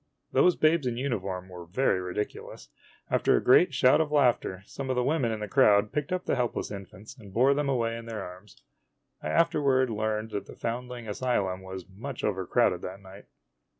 Those babes in uniform were very ridiculous. After a great shout of laughter, some of the women in the crowd picked up the helpless infants and bore them away in their arms. I afterward learned that the foundling asylum was much overcrowded that night.